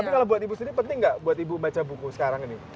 tapi kalau buat ibu sendiri penting nggak buat ibu baca buku sekarang ini